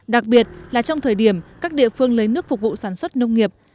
đặc biệt là trong thời điểm các địa phương lấy nước phục vụ sản xuất nông nghiệp